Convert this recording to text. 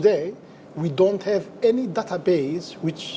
kami tidak memiliki database